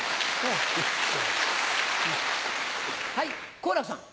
好楽さん。